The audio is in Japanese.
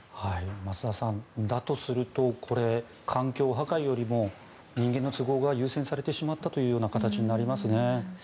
増田さんだとすると環境破壊よりも人間の都合が優先されてしまったという形になりますね。